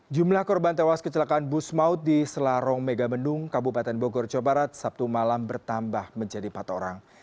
jumlah korban tewas kecelakaan bus maut di selarong megamendung kabupaten bogor jawa barat sabtu malam bertambah menjadi empat orang